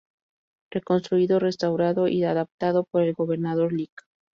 Reconstruido, restaurado y adaptado por el gobernador Lic.